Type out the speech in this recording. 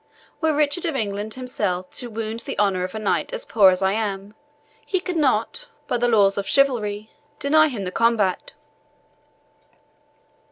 Were Richard of England himself to wound the honour of a knight as poor as I am, he could not, by the law of chivalry, deny him the combat."